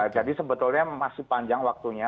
jadi sebetulnya masih panjang waktunya